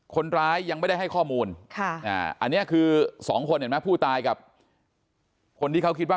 คนร้ายยังไม่ได้ให้ข้อมูลอันนี้คือสองคนเห็นไหมผู้ตายกับคนที่เขาคิดว่า